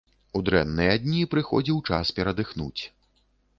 У дрэнныя дні прыходзіў час перадыхнуць.